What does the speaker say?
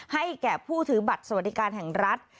ให้แก่ผู้ถือบัตรสวัสดิการแห่งรัฐ